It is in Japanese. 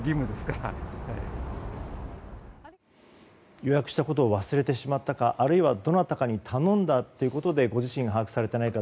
予約したことを忘れてしまったかあるいはどなたかに頼んだということでご自身が把握されていないか